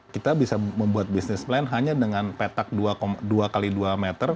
kita bisa membuat bisnis plan hanya dengan petak dua x dua meter